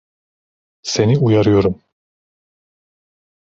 Seni uyarıyorum.